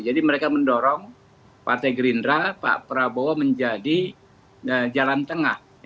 jadi mereka mendorong pak tegerindra pak prabowo menjadi jalan tengah